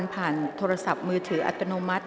ตรวจผลรางวัลผ่านโทรศัพท์มือถืออัตโนมัติ